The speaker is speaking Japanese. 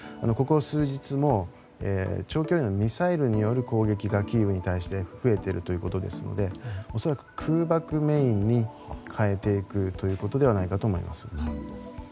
ここ数日も長距離のミサイルによる攻撃がキーウに対して増えているということですので恐らく空爆メインに変えていくということではないかと思います。